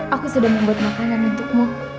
aku sudah membuat makanan untukmu